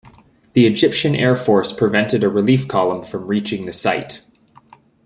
The Egyptian air force prevented a relief column from reaching the site.